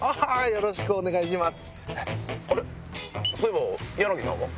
よろしくお願いします。